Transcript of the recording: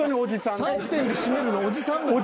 ３点でしめるのおじさんなの？